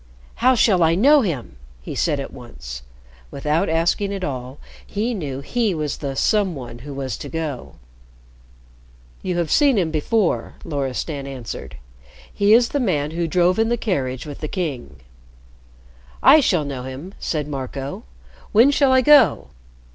"How shall I know him?" he said at once. Without asking at all, he knew he was the "some one" who was to go. "You have seen him before," Loristan answered. "He is the man who drove in the carriage with the King." "I shall know him," said Marco. "When shall I go?"